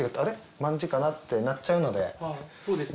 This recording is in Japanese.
何時かな？ってなっちゃうので。